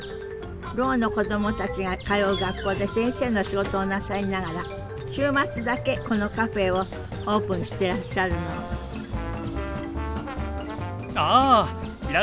ろうの子供たちが通う学校で先生の仕事をなさりながら週末だけこのカフェをオープンしてらっしゃるのあいらっしゃいませ。